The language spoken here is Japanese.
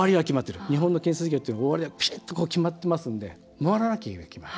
日本の建設業というのは終わりがピシッと決まってますんで守らなければいけない。